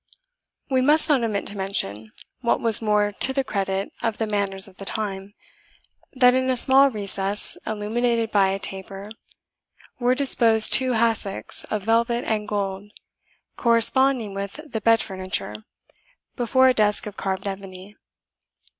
We must not omit to mention, what was more to the credit of the manners of the time, that in a small recess, illuminated by a taper, were disposed two hassocks of velvet and gold, corresponding with the bed furniture, before a desk of carved ebony.